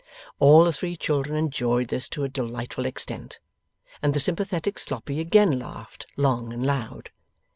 All the three children enjoyed this to a delightful extent, and the sympathetic Sloppy again laughed long and loud.